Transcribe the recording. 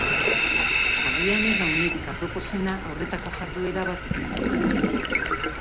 Agian ez da unerik aproposena horrelako jarduera bat egiteko.